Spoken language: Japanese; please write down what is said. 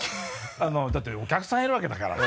だってお客さんいるわけだからさ。